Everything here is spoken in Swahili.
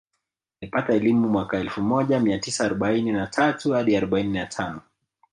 Alipata elimu mwaka elfu moja mia tisa arobaini na tatu hadi arobaini na tano